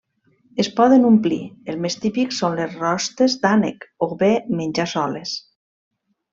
Es poden omplir, el més típic són les rostes d'ànec, o bé menjar soles.